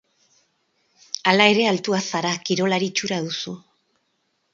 Hala ere, altua zara, kirolari itxura duzu.